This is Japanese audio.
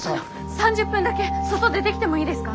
３０分だけ外出できてもいいですか？